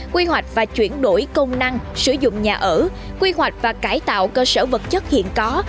quy hoạch và chuyển đổi công năng sử dụng nhà ở quy hoạch và cải tạo cơ sở vật chất hiện có